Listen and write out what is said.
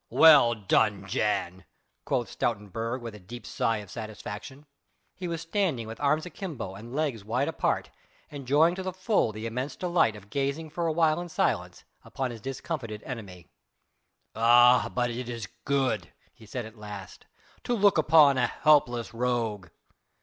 "Well done, Jan!" quoth Stoutenburg with a deep sigh of satisfaction. He was standing with arms akimbo and legs wide apart, enjoying to the full the intense delight of gazing for awhile in silence on his discomfited enemy. "Ah! but it is good," he said at last, "to look upon a helpless rogue."